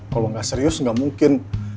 kalau gak serius gak mungkin